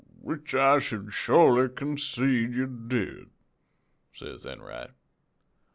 "'Which I should shorely concede you did,' says Enright.